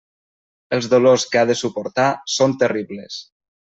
Els dolors que ha de suportar són terribles.